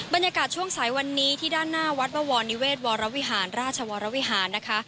บรรยากาศช่วงสายวันนี้ที่ด้านหน้าวัดบวรนิเวศวรวิหารราชวรวิหารนะคะ